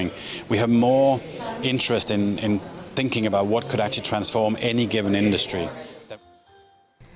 kami memiliki lebih banyak perhatian untuk memikirkan apa yang bisa diubah dalam industri yang diperoleh